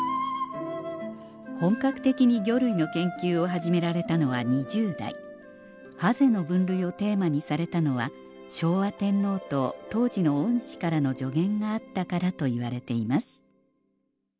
本格的に魚類の研究を始められたのは２０代ハゼの分類をテーマにされたのは昭和天皇と当時の恩師からの助言があったからといわれています